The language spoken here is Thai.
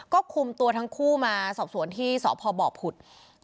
ก็คุมตัวทั้งคู่มาสอบสวนที่สพบผุด